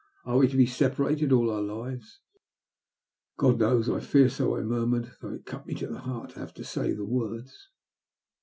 ''Are we to be separated all our lives?" " God knows — ^I fear so," I murmured^ thongb it cut me to the heart to have to say the words.